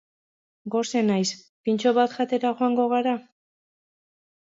Gose naiz, pintxo bat jatera joango gara?